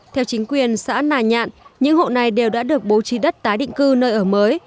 theo chính quyền xã nà nhạn những hộ này đều đã được bố trí đất tái định cư nơi ở mới